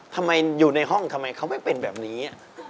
ทำไมอยู่ในห้องทำไมเขาไม่เป็นแบบนี้